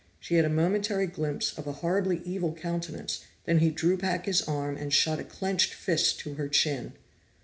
She had a momentary glimpse of a horribly evil countenance, then he drew back his arm and shot a clenched fist to her chin.